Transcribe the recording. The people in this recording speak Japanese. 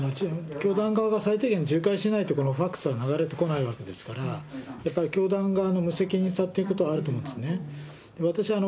教団側が最低限、しないとファックスは流れてこないわけですから、やっぱり教団側の無責任さということがあると思うんですね。